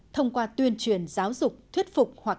thông qua tuyên truyền giáo dục thuyết phục của các cộng đồng